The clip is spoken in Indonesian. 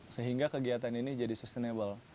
sehingga kegiatan ini jadi sustainable